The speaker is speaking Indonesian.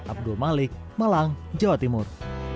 abdul malik malang jawa timur